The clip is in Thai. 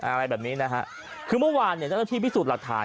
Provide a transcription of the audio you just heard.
อะไรแบบนี้นะฮะคือเมื่อวานเนี่ยเจ้าหน้าที่พิสูจน์หลักฐาน